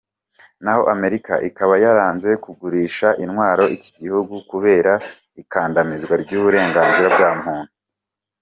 Naho Amerika ikaba yaranze kugurisha intwaro iki gihugu kubera ikandamizwa ry’uburenganzira bwa muntu.